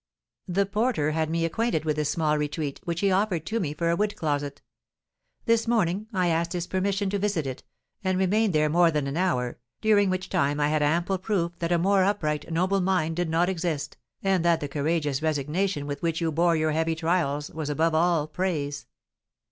The porter had made me acquainted with this small retreat, which he offered to me for a wood closet. This morning, I asked his permission to visit it, and remained there more than an hour, during which time I had ample proof that a more upright, noble mind did not exist, and that the courageous resignation with which you bore your heavy trials was above all praise."